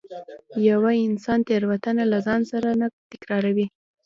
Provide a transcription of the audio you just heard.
پوه انسان تېروتنه له ځان سره نه تکراروي.